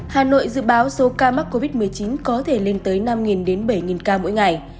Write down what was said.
hà nội dự báo số ca mắc covid một mươi chín có thể lên tới năm đến bảy ca mỗi ngày